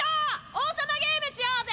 王様ゲームしようぜ！